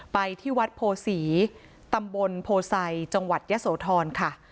ไปที่วัดโพศีตำบลโพไซจังหวัดยะโสธรค่ะ